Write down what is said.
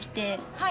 はい。